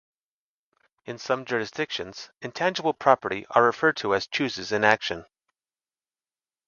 In some jurisdictions intangible property are referred to as "choses in action".